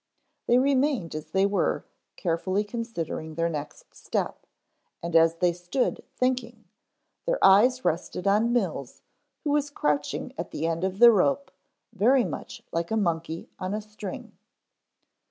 They remained as they were carefully considering their next step, and as they stood thinking, their eyes rested on Mills who was crouching at the end of the rope very much like a monkey on a string.